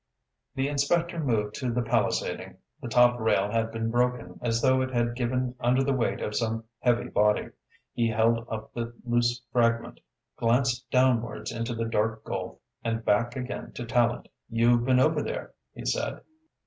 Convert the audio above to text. The inspector moved to the palisading. The top rail had been broken, as though it had given under the weight of some heavy body. He held up the loose fragment, glanced downwards into the dark gulf and back again to Tallente. "You've been over there," he said.